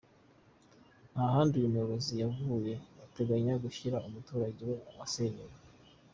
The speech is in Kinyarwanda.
Nta handi uyu muyobozi yavuze bateganya gushyira umuturage we wasenyewe.